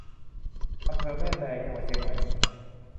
อำเภอแม่แตง จังหวัดเชียงใหม่